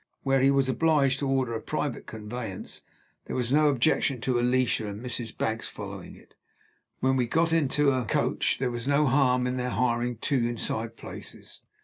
Where he was obliged to order a private conveyance, there was no objection to Alicia and Mrs. Baggs following it. Where we got into a coach, there was no harm in their hiring two inside places.